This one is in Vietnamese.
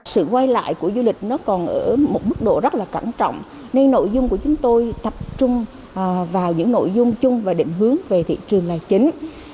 sự quay lại của du lịch nó còn ở một mức độ rất là cẩn trọng nên nội dung của chúng tôi tập trung vào những nội dung chung và định hướng về thị trường là chính